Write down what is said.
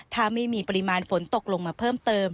ถ้าไม่มีปริมาณฝนตกลงมาเพิ่มเติม